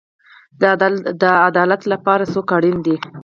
د عدالت لپاره څوک اړین دی؟